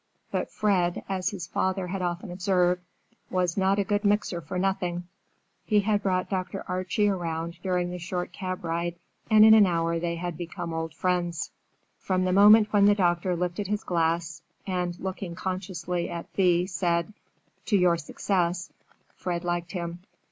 But Fred, as his father had often observed, "was not a good mixer for nothing." He had brought Dr. Archie around during the short cab ride, and in an hour they had become old friends. From the moment when the doctor lifted his glass and, looking consciously at Thea, said, "To your success," Fred liked him.